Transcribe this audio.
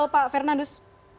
halo pak fernandus